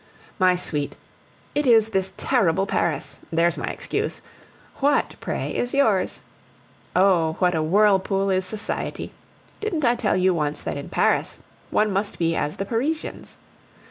My sweet, it is this terrible Paris there's my excuse. What, pray, is yours? Oh! what a whirlpool is society! Didn't I tell you once that in Paris one must be as the Parisians?